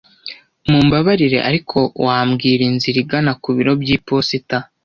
Mumbabarire, ariko wambwira inzira igana ku biro by'iposita?